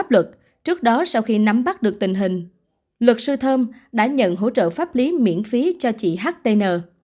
lực sư thơm đã nhận hỗ trợ pháp lý miễn phí cho chị htn